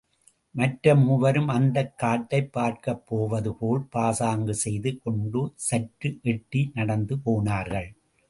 மற்ற மூவரும் அந்தக் காட்டைப் பார்க்கப் போவது போல் பாசாங்கு செய்து கொண்டு சற்று எட்டி நடந்து போனார்கள்.